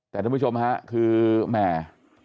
แต่ทุกผู้ชมค่ะคือแหม่